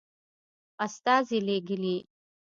استازي لېږلي.